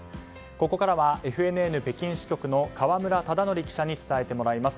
ここからはＦＮＮ北京支局の河村忠徳記者に伝えてもらいます。